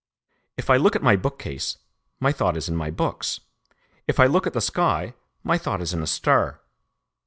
If I look at my bookcase, my thought is in my books; if I look at the sky, my thought is in a star.